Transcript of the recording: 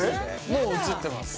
もう映ってます